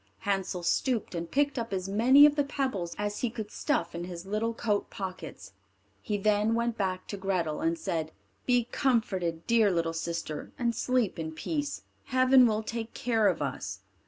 Hansel stooped and picked up as many of the pebbles as he could stuff in his little coat pockets. He then went back to Grethel and said, "Be comforted, dear little sister, and sleep in peace; heaven will take care of us."